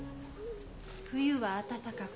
・冬は暖かく。